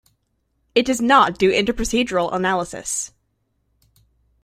It does not do inter-procedural analysis.